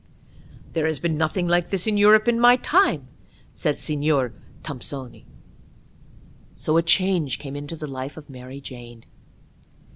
'There has been nothing like this in Europe in my time,' said Signor Thompsoni. So a change came into the life of Mary Jane.